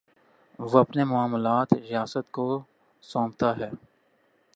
وہ اپنے معاملات ریاست کو سونپتا ہے۔